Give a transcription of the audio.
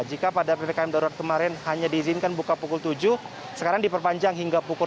jika pada ppkm darurat kemarin hanya diizinkan buka pukul tujuh sekarang diperpanjang hingga pukul dua puluh